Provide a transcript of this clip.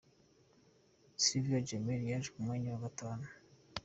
Sylvia Jemel yaje ku mwanya wa gatanu.